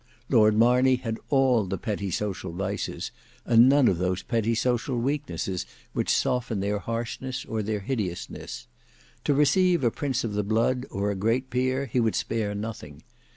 Lord Marney had all the petty social vices, and none of those petty social weaknesses which soften their harshness or their hideousness. To receive a prince of the blood or a great peer he would spare nothing.